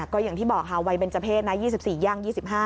ก็อย่างที่บอกค่ะวัยเบนเจอร์เพศนะ๒๔ย่าง๒๕